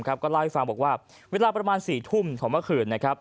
ก็เล่าให้ฟังบอกว่าเวลาประมาณ๔ทุ่มของเมื่อคืน